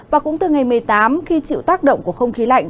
và cũng từ ngày một mươi tám khi chịu tác động của không khí lạnh